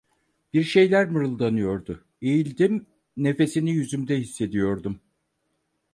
Bir şeyler mırıldanıyordu; eğildim, nefesini yüzümde hissediyordum.